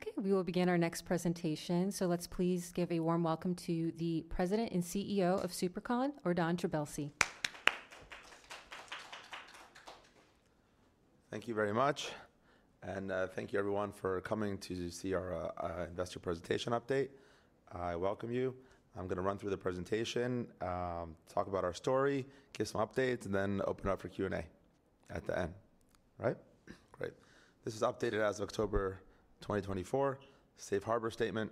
Okay, we will begin our next presentation. Let's please give a warm welcome to the President and CEO of SuperCom, Ordan Trabelsi. Thank you very much, and thank you, everyone, for coming to see our investor presentation update. I welcome you. I'm going to run through the presentation, talk about our story, give some updates, and then open it up for Q&A at the end. Right? Great. This is updated as of October 2024. Safe Harbor statement.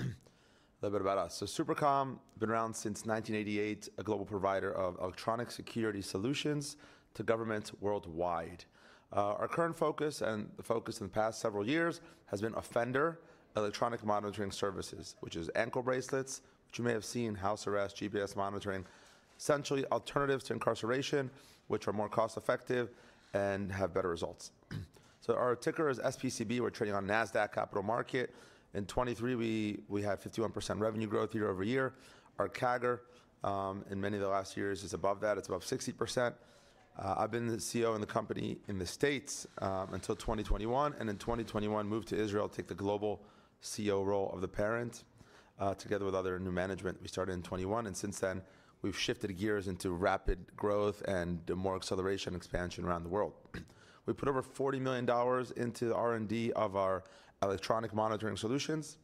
A little bit about us, so SuperCom has been around since 1988, a global provider of electronic security solutions to governments worldwide. Our current focus, and the focus in the past several years, has been offender electronic monitoring services, which is ankle bracelets, which you may have seen, house arrest, GPS monitoring, essentially alternatives to incarceration, which are more cost-effective and have better results, so our ticker is SPCB. We're trading on Nasdaq Capital Market. In 2023, we had 51% revenue growth year over year. Our CAGR, in many of the last years, is above that. It's above 60%. I've been the CEO in the company in the States until 2021, and in 2021, moved to Israel to take the global CEO role of the parent, together with other new management. We started in 2021, and since then, we've shifted gears into rapid growth and more acceleration and expansion around the world. We put over $40 million into the R&D of our electronic monitoring solutions,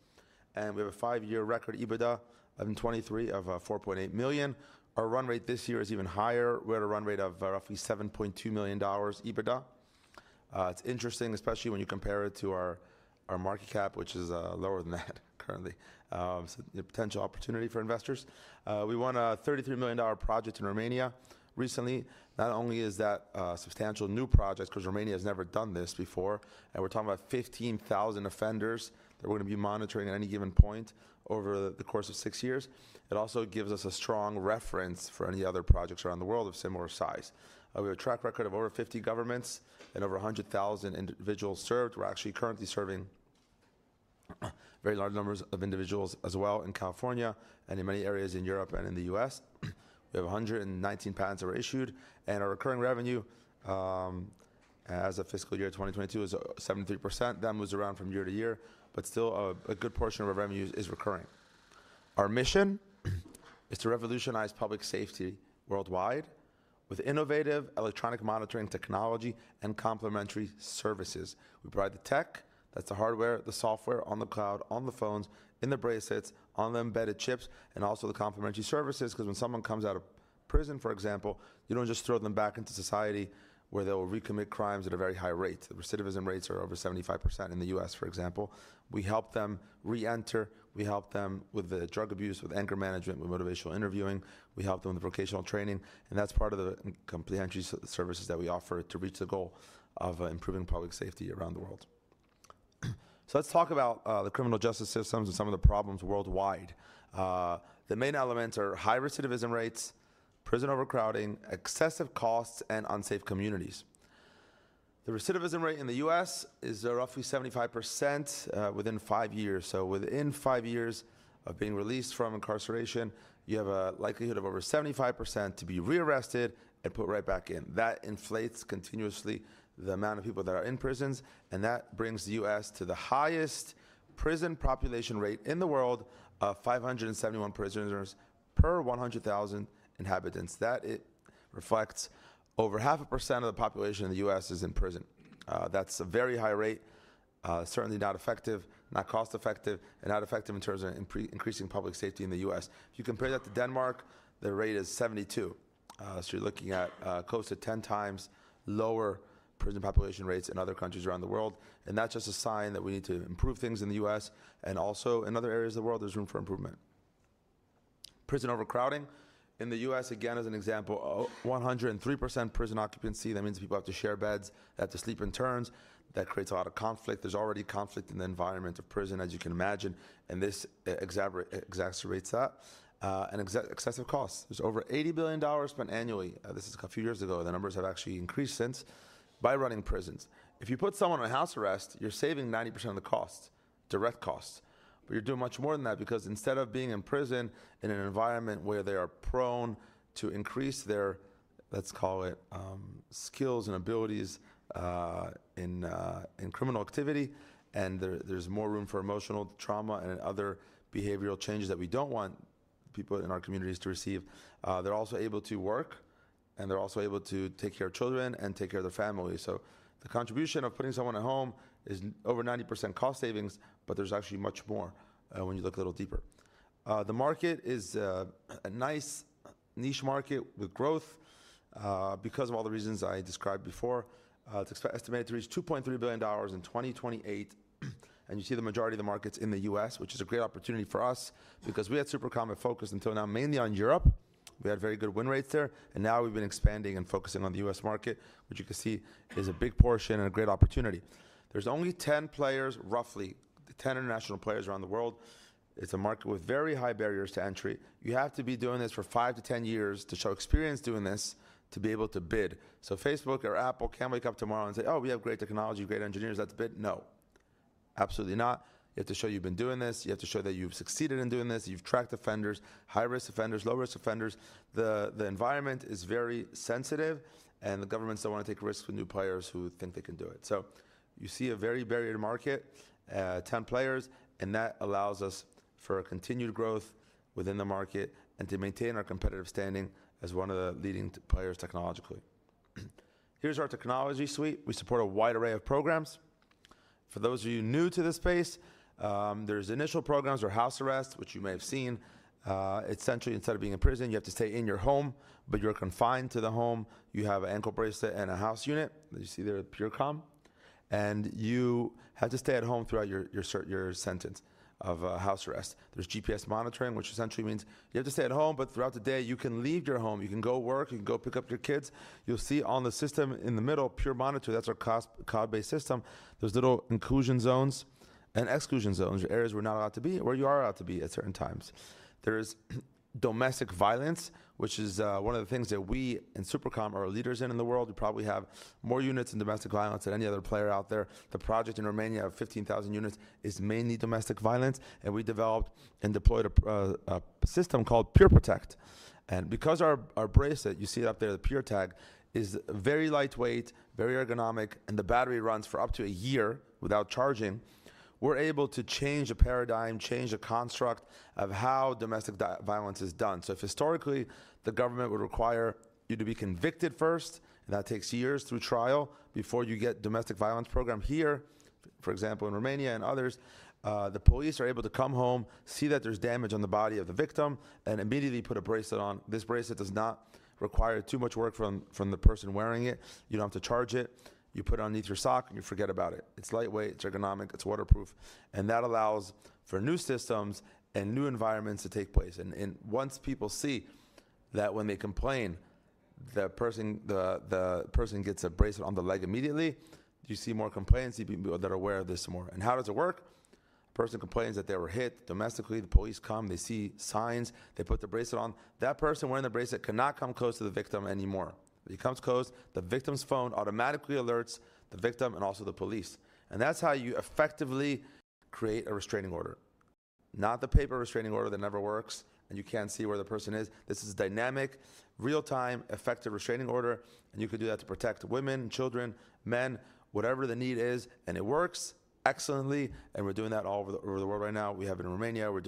and we have a five-year record EBITDA in 2023 of $4.8 million. Our run rate this year is even higher. We had a run rate of roughly $7.2 million EBITDA. It's interesting, especially when you compare it to our market cap, which is lower than that currently. It's a potential opportunity for investors. We won a $33 million project in Romania recently. Not only is that a substantial new project, because Romania has never done this before, and we're talking about 15,000 offenders that we're going to be monitoring at any given point over the course of six years. It also gives us a strong reference for any other projects around the world of similar size. We have a track record of over 50 governments and over 100,000 individuals served. We're actually currently serving very large numbers of individuals as well in California and in many areas in Europe and in the U.S. We have 119 patents that were issued, and our recurring revenue as of fiscal year 2022 is 73%. That moves around from year to year, but still a good portion of our revenue is recurring. Our mission is to revolutionize public safety worldwide with innovative electronic monitoring technology and complementary services. We provide the tech, that's the hardware, the software on the cloud, on the phones, in the bracelets, on the embedded chips, and also the complementary services, because when someone comes out of prison, for example, you don't just throw them back into society where they will recommit crimes at a very high rate. The recidivism rates are over 75% in the U.S., for example. We help them reenter. We help them with the drug abuse, with anger management, with motivational interviewing. We help them with vocational training. And that's part of the comprehensive services that we offer to reach the goal of improving public safety around the world. So let's talk about the criminal justice systems and some of the problems worldwide. The main elements are high recidivism rates, prison overcrowding, excessive costs, and unsafe communities. The recidivism rate in the U.S. is roughly 75% within five years. Within five years of being released from incarceration, you have a likelihood of over 75% to be rearrested and put right back in. That inflates continuously the amount of people that are in prisons, and that brings the U.S. to the highest prison population rate in the world of 571 prisoners per 100,000 inhabitants. That reflects over 0.5% of the population of the U.S. is in prison. That's a very high rate, certainly not effective, not cost-effective, and not effective in terms of increasing public safety in the U.S. If you compare that to Denmark, the rate is 72. You're looking at close to 10 times lower prison population rates in other countries around the world. That's just a sign that we need to improve things in the U.S. Also in other areas of the world, there's room for improvement. Prison overcrowding in the U.S., again, as an example, 103% prison occupancy. That means people have to share beds, they have to sleep in turns. That creates a lot of conflict. There's already conflict in the environment of prison, as you can imagine, and this exacerbates that. And excessive costs. There's over $80 billion spent annually. This is a few years ago. The numbers have actually increased since by running prisons. If you put someone on house arrest, you're saving 90% of the costs, direct costs. But you're doing much more than that, because instead of being in prison in an environment where they are prone to increase their, let's call it, skills and abilities in criminal activity, and there's more room for emotional trauma and other behavioral changes that we don't want people in our communities to receive, they're also able to work, and they're also able to take care of children and take care of their family. So the contribution of putting someone at home is over 90% cost savings, but there's actually much more when you look a little deeper. The market is a nice niche market with growth because of all the reasons I described before. It's estimated to reach $2.3 billion in 2028, and you see the majority of the markets in the U.S., which is a great opportunity for us, because we had SuperCom focused until now mainly on Europe. We had very good win rates there, and now we've been expanding and focusing on the U.S. market, which you can see is a big portion and a great opportunity. There's only 10 players, roughly 10 international players around the world. It's a market with very high barriers to entry. You have to be doing this for 5 to 10 years to show experience doing this to be able to bid. So Facebook or Apple can't wake up tomorrow and say, "Oh, we have great technology, great engineers. Let's bid." No. Absolutely not. You have to show you've been doing this. You have to show that you've succeeded in doing this. You've tracked offenders, high-risk offenders, low-risk offenders. The environment is very sensitive, and the governments don't want to take risks with new players who think they can do it. You see a very varied market, 10 players, and that allows us for continued growth within the market and to maintain our competitive standing as one of the leading players technologically. Here's our technology suite. We support a wide array of programs. For those of you new to this space, there's initial programs or house arrest, which you may have seen. Essentially, instead of being in prison, you have to stay in your home, but you're confined to the home. You have an ankle bracelet and a house unit. You see there's PureCom, and you have to stay at home throughout your sentence of house arrest. There's GPS monitoring, which essentially means you have to stay at home, but throughout the day, you can leave your home. You can go work. You can go pick up your kids. You'll see on the system in the middle, PureMonitor, that's our cloud-based system. There's little inclusion zones and exclusion zones, areas we're not allowed to be, where you are allowed to be at certain times. There is domestic violence, which is one of the things that we in SuperCom are leaders in in the world. We probably have more units in domestic violence than any other player out there. The project in Romania of 15,000 units is mainly domestic violence, and we developed and deployed a system called PureProtect. And because our bracelet, you see it up there, the PureTag, is very lightweight, very ergonomic, and the battery runs for up to a year without charging, we're able to change a paradigm, change a construct of how domestic violence is done. So if historically the government would require you to be convicted first, and that takes years through trial before you get a domestic violence program here, for example, in Romania and others, the police are able to come home, see that there's damage on the body of the victim, and immediately put a bracelet on. This bracelet does not require too much work from the person wearing it. You don't have to charge it. You put it underneath your sock and you forget about it. It's lightweight, it's ergonomic, it's waterproof, and that allows for new systems and new environments to take place. And once people see that when they complain, the person gets a bracelet on the leg immediately. You see more complaints. You are aware of this more. And how does it work? A person complains that they were hit domestically. The police come, they see signs, they put the bracelet on. That person wearing the bracelet cannot come close to the victim anymore. If he comes close, the victim's phone automatically alerts the victim and also the police. And that's how you effectively create a restraining order. Not the paper restraining order that never works and you can't see where the person is. This is a dynamic, real-time, effective restraining order, and you could do that to protect women, children, men, whatever the need is, and it works excellently. And we're doing that all over the world right now. We have in Romania, we're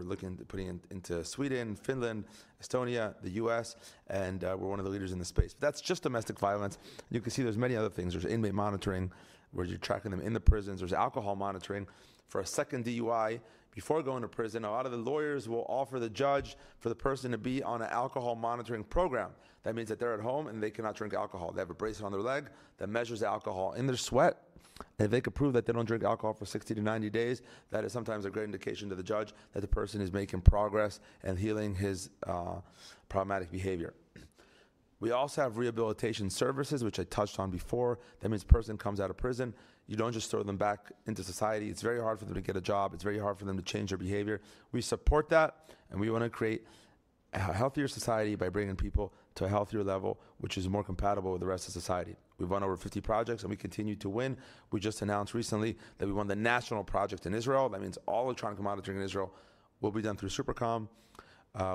looking to put it into Sweden, Finland, Estonia, the U.S., and we're one of the leaders in this space. But that's just domestic violence. You can see there's many other things. There's inmate monitoring, where you're tracking them in the prisons. There's alcohol monitoring for a second DUI before going to prison. A lot of the lawyers will offer the judge for the person to be on an alcohol monitoring program. That means that they're at home and they cannot drink alcohol. They have a bracelet on their leg that measures alcohol in their sweat, and if they can prove that they don't drink alcohol for 60 to 90 days, that is sometimes a great indication to the judge that the person is making progress and healing his problematic behavior. We also have rehabilitation services, which I touched on before. That means a person comes out of prison, you don't just throw them back into society. It's very hard for them to get a job. It's very hard for them to change their behavior. We support that, and we want to create a healthier society by bringing people to a healthier level, which is more compatible with the rest of society. We've won over 50 projects, and we continue to win. We just announced recently that we won the national project in Israel. That means all electronic monitoring in Israel will be done through SuperCom.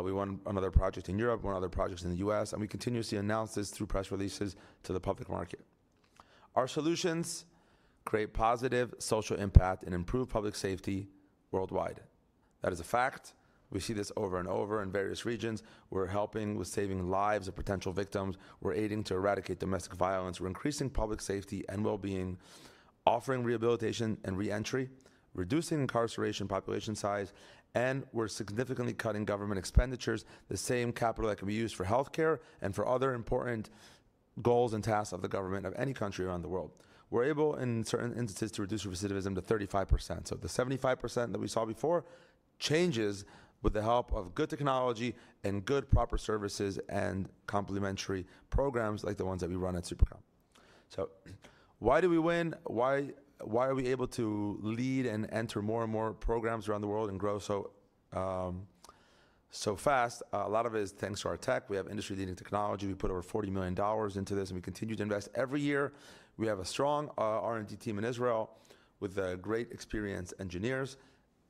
We won another project in Europe, won other projects in the U.S., and we continuously announce this through press releases to the public market. Our solutions create positive social impact and improve public safety worldwide. That is a fact. We see this over and over in various regions. We're helping with saving lives of potential victims. We're aiding to eradicate domestic violence. We're increasing public safety and well-being, offering rehabilitation and reentry, reducing incarceration population size, and we're significantly cutting government expenditures, the same capital that can be used for healthcare and for other important goals and tasks of the government of any country around the world. We're able, in certain instances, to reduce recidivism to 35%. So the 75% that we saw before changes with the help of good technology and good proper services and complementary programs like the ones that we run at SuperCom. So why do we win? Why are we able to lead and enter more and more programs around the world and grow so fast? A lot of it is thanks to our tech. We have industry-leading technology. We put over $40 million into this, and we continue to invest every year. We have a strong R&D team in Israel with great experienced engineers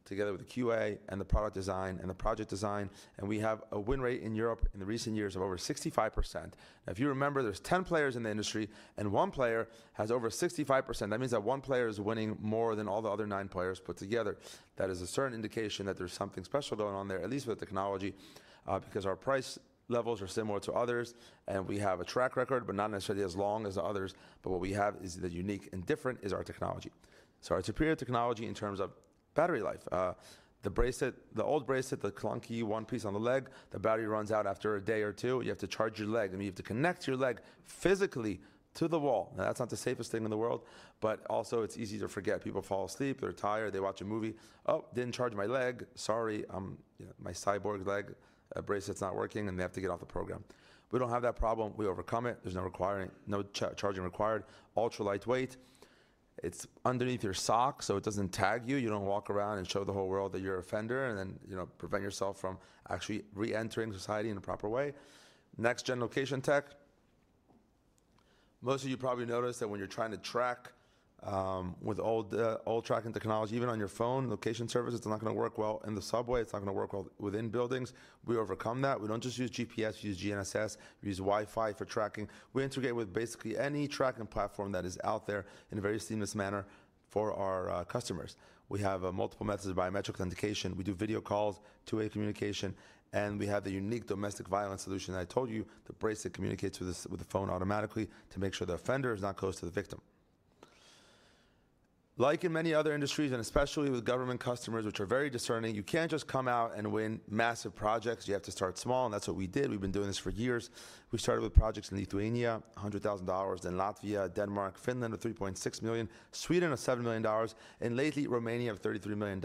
together with the QA and the product design and the project design, and we have a win rate in Europe in the recent years of over 65%. Now, if you remember, there's 10 players in the industry, and one player has over 65%. That means that one player is winning more than all the other nine players put together. That is a certain indication that there's something special going on there, at least with the technology, because our price levels are similar to others, and we have a track record, but not necessarily as long as the others. But what we have is that unique and different is our technology. So our superior technology in terms of battery life. The bracelet, the old bracelet, the clunky one-piece on the leg. The battery runs out after a day or two. You have to charge your leg, and you have to connect your leg physically to the wall. Now, that's not the safest thing in the world, but also it's easy to forget. People fall asleep, they're tired, they watch a movie. "Oh, didn't charge my leg. Sorry, my cyborg leg bracelet's not working." And they have to get off the program. We don't have that problem. We overcome it. There's no charging required. Ultra lightweight. It's underneath your sock, so it doesn't tag you. You don't walk around and show the whole world that you're an offender and then prevent yourself from actually reentering society in a proper way. Next-gen location tech. Most of you probably noticed that when you're trying to track with old tracking technology, even on your phone, location service, it's not going to work well in the subway. It's not going to work well within buildings. We overcome that. We don't just use GPS. We use GNSS. We use Wi-Fi for tracking. We integrate with basically any tracking platform that is out there in a very seamless manner for our customers. We have multiple methods of biometric authentication. We do video calls, two-way communication, and we have the unique domestic violence solution that I told you. The bracelet communicates with the phone automatically to make sure the offender is not close to the victim. Like in many other industries, and especially with government customers, which are very discerning, you can't just come out and win massive projects. You have to start small, and that's what we did. We've been doing this for years. We started with projects in Lithuania, $100,000, then Latvia, Denmark, Finland of $3.6 million, Sweden of $7 million, and lately Romania of $33 million.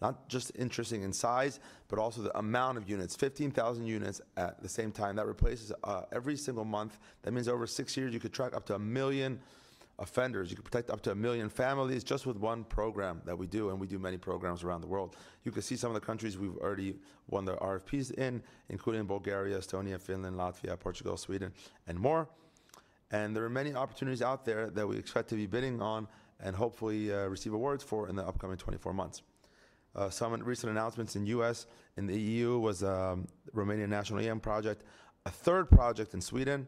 Not just interesting in size, but also the amount of units, 15,000 units at the same time. That replaces every single month. That means over six years, you could track up to a million offenders. You could protect up to a million families just with one program that we do, and we do many programs around the world. You can see some of the countries we've already won the RFPs in, including Bulgaria, Estonia, Finland, Latvia, Portugal, Sweden, and more, and there are many opportunities out there that we expect to be bidding on and hopefully receive awards for in the upcoming 24 months. Some recent announcements in the U.S. In the EU was Romania National EM project, a third project in Sweden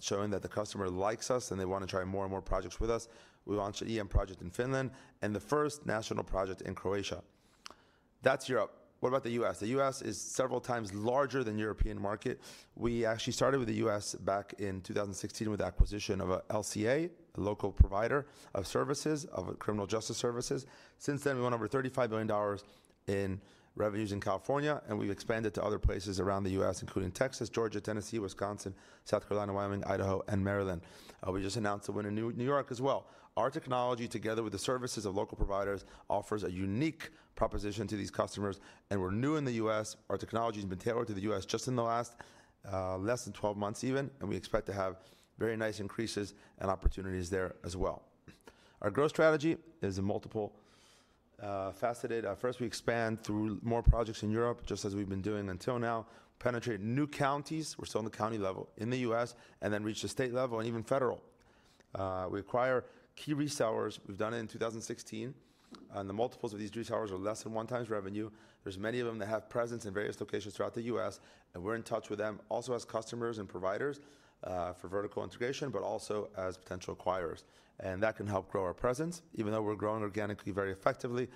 showing that the customer likes us and they want to try more and more projects with us. We launched an EM project in Finland and the first national project in Croatia. That's Europe. What about the U.S.? The U.S. is several times larger than the European market. We actually started with the U.S. back in 2016 with the acquisition of LCA, a local provider of criminal justice services. Since then, we won over $35 million in revenues in California, and we've expanded to other places around the U.S., including Texas, Georgia, Tennessee, Wisconsin, South Carolina, Wyoming, Idaho, and Maryland. We just announced that we're in New York as well. Our technology, together with the services of local providers, offers a unique proposition to these customers, and we're new in the U.S. Our technology has been tailored to the U.S. just in the last less than 12 months even, and we expect to have very nice increases and opportunities there as well. Our growth strategy is multiple-faceted. First, we expand through more projects in Europe, just as we've been doing until now. We penetrate new counties. We're still on the county level in the U.S., and then reach the state level and even federal. We acquire key resellers. We've done it in 2016, and the multiples of these resellers are less than one time's revenue. There's many of them that have presence in various locations throughout the U.S., and we're in touch with them also as customers and providers for vertical integration, but also as potential acquirers, and that can help grow our presence, even though we're growing organically very effectively.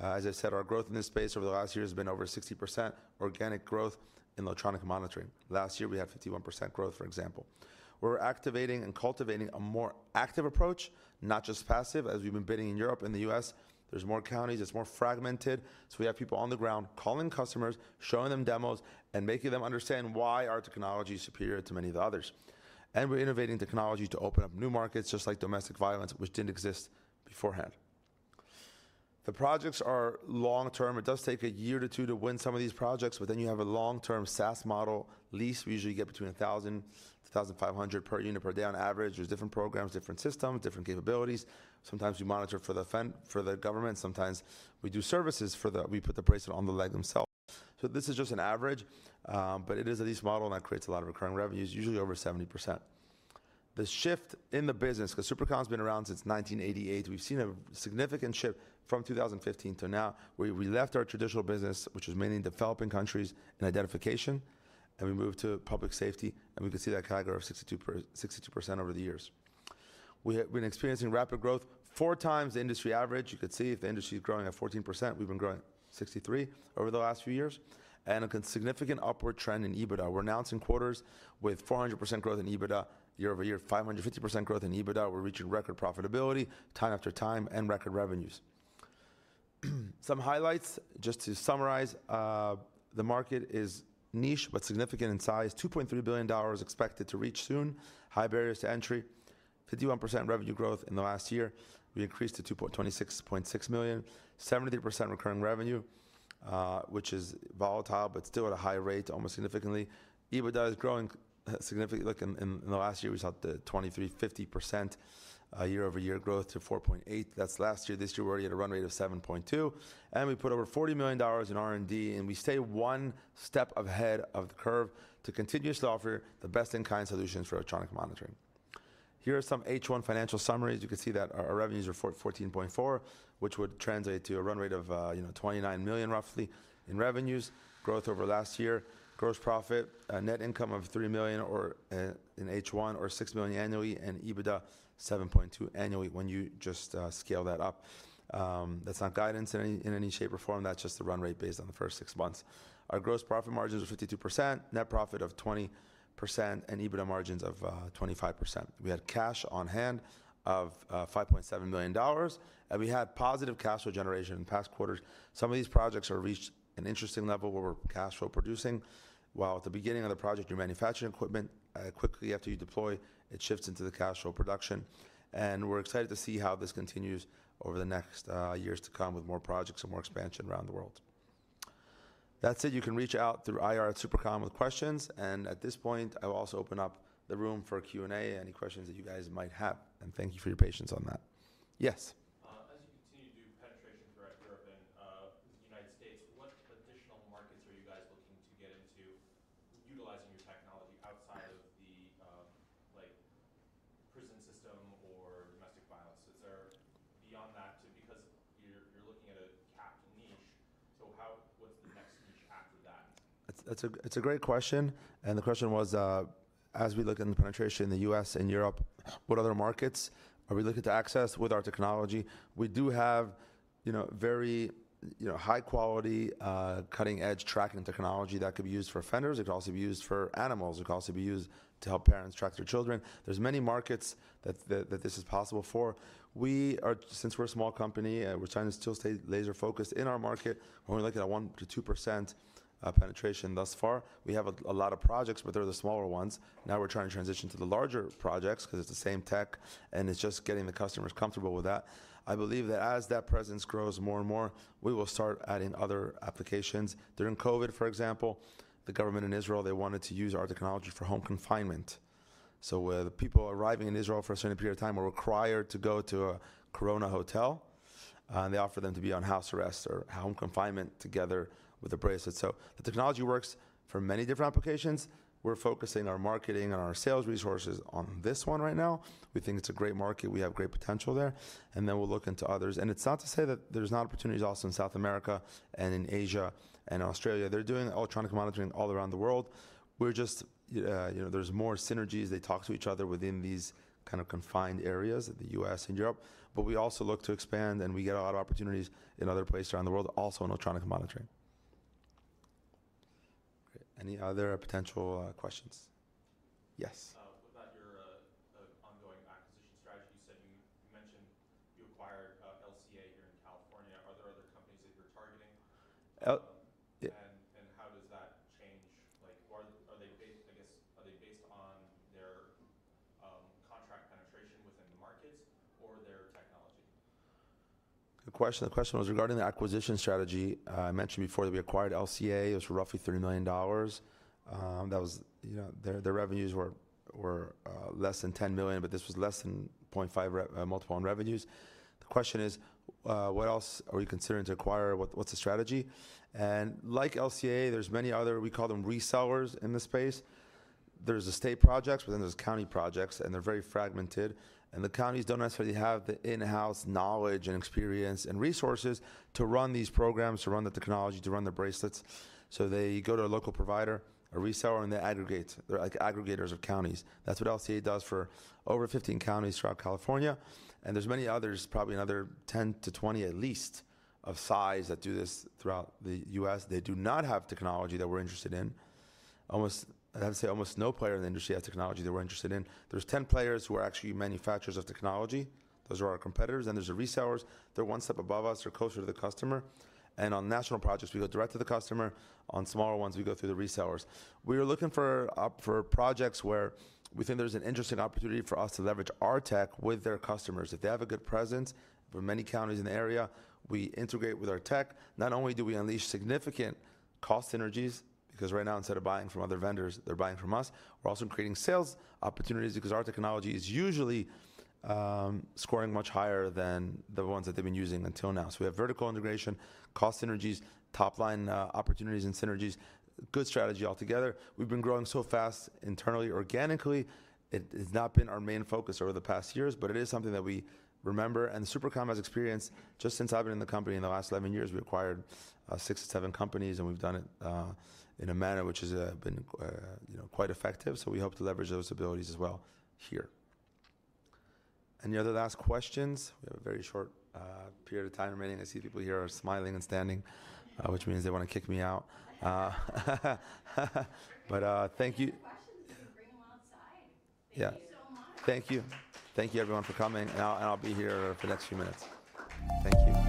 As I said, our growth in this space over the last year has been over 60% organic growth in electronic monitoring. Last year, we had 51% growth, for example. We're activating and cultivating a more active approach, not just passive, as we've been bidding in Europe and the U.S. There's more counties. It's more fragmented. So we have people on the ground calling customers, showing them demos, and making them understand why our technology is superior to many of the others, and we're innovating technology to open up new markets just like domestic violence, which didn't exist beforehand. The projects are long-term. It does take a year to two to win some of these projects, but then you have a long-term SaaS model lease. We usually get between $1,000-$1,500 per unit per day on average. There's different programs, different systems, different capabilities. Sometimes we monitor for the government. Sometimes we put the bracelet on the leg themselves. So this is just an average, but it is a lease model that creates a lot of recurring revenues, usually over 70%. The shift in the business, because SuperCom has been around since 1988, we've seen a significant shift from 2015 to now. We left our traditional business, which was mainly in developing countries and identification, and we moved to public safety, and we can see that category of 62% over the years. We've been experiencing rapid growth, four times the industry average. You could see if the industry is growing at 14%. We've been growing 63% over the last few years. There is a significant upward trend in EBITDA. We're announcing quarters with 400% growth in EBITDA year over year, 550% growth in EBITDA. We're reaching record profitability time after time and record revenues. Some highlights, just to summarize, the market is niche but significant in size. $2.3 billion expected to reach soon, high barriers to entry, 51% revenue growth in the last year. We increased to $2.66 million, 73% recurring revenue, which is volatile but still at a high rate almost significantly. EBITDA is growing significantly. In the last year, we saw the 2,350% year-over-year growth to 4.8%. That's last year. This year, we already had a run rate of 7.2%. And we put over $40 million in R&D, and we stay one step ahead of the curve to continuously offer the best-in-kind solutions for electronic monitoring. Here are some H1 financial summaries. You can see that our revenues are 14.4%, which would translate to a run rate of $29 million, roughly, in revenues. Growth over last year, gross profit, net income of $3 million in H1 or $6 million annually, and EBITDA 7.2% annually when you just scale that up. That's not guidance in any shape or form. That's just the run rate based on the first six months. Our gross profit margins are 52%, net profit of 20%, and EBITDA margins of 25%. We had cash on hand of $5.7 million, and we had positive cash flow generation in past quarters. Some of these projects have reached an interesting level where we're cash flow producing. While at the beginning of the project, you're manufacturing equipment, quickly after you deploy, it shifts into the cash flow production. We're excited to see how this continues over the next years to come with more projects and more expansion around the world. That said, you can reach out through IR at SuperCom with questions. At this point, I'll also open up the room for Q&A, any questions that you guys might have. Thank you for your patience on that. Yes. As you continue to do penetration throughout Europe and the United States, what additional markets are you guys looking to get into utilizing your technology outside of the prison system or domestic violence? Is there beyond that, because you're looking at a capped niche, so what's the next niche after that? It's a great question. The question was, as we look into penetration in the U.S. and Europe, what other markets are we looking to access with our technology? We do have very high-quality, cutting-edge tracking technology that could be used for offenders. It could also be used for animals. It could also be used to help parents track their children. There's many markets that this is possible for. Since we're a small company, we're trying to still stay laser-focused in our market. We're only looking at 1%-2% penetration thus far. We have a lot of projects, but they're the smaller ones. Now we're trying to transition to the larger projects because it's the same tech, and it's just getting the customers comfortable with that. I believe that as that presence grows more and more, we will start adding other applications. During COVID, for example, the government in Israel, they wanted to use our technology for home confinement. So with people arriving in Israel for a certain period of time, we're required to go to a Corona hotel, and they offer them to be on house arrest or home confinement together with the bracelet. So the technology works for many different applications. We're focusing our marketing and our sales resources on this one right now. We think it's a great market. We have great potential there. And then we'll look into others. And it's not to say that there's not opportunities also in South America and in Asia and Australia. They're doing electronic monitoring all around the world. There's more synergies. They talk to each other within these kind of confined areas of the U.S. and Europe. But we also look to expand, and we get a lot of opportunities in other places around the world, also in electronic monitoring. Any other potential questions? Yes. What about your ongoing acquisition strategy? You mentioned you acquired LCA here in California. Are there other companies that you're targeting? And how does that change? Are they based on their contract penetration within the markets or their technology? Good question. The question was regarding the acquisition strategy. I mentioned before that we acquired LCA. It was for roughly $30 million. Their revenues were less than $10 million, but this was less than 0.5 multiple on revenues. The question is, what else are we considering to acquire? What's the strategy? And like LCA, there's many other, we call them resellers in this space. There's state projects, but then there's county projects, and they're very fragmented. And the counties don't necessarily have the in-house knowledge and experience and resources to run these programs, to run the technology, to run the bracelets. So they go to a local provider, a reseller, and they aggregate. They're like aggregators of counties. That's what LCA does for over 15 counties throughout California. And there's many others, probably another 10-20 at least of size that do this throughout the U.S. They do not have technology that we're interested in. I'd have to say almost no player in the industry has technology that we're interested in. There's 10 players who are actually manufacturers of technology. Those are our competitors. Then there's the resellers. They're one step above us. They're closer to the customer. And on national projects, we go direct to the customer. On smaller ones, we go through the resellers. We are looking for projects where we think there's an interesting opportunity for us to leverage our tech with their customers. If they have a good presence for many counties in the area, we integrate with our tech. Not only do we unleash significant cost synergies, because right now, instead of buying from other vendors, they're buying from us. We're also creating sales opportunities because our technology is usually scoring much higher than the ones that they've been using until now. So we have vertical integration, cost synergies, top-line opportunities and synergies. Good strategy altogether. We've been growing so fast internally, organically. It has not been our main focus over the past years, but it is something that we remember. And SuperCom has experienced, just since I've been in the company in the last 11 years, we acquired six to seven companies, and we've done it in a manner which has been quite effective. So we hope to leverage those abilities as well here. Any other last questions? We have a very short period of time remaining. I see people here are smiling and standing, which means they want to kick me out. But thank you. Any questions, we can bring them outside. Thank you so much. Thank you. Thank you, everyone, for coming. And I'll be here for the next few minutes. Thank you.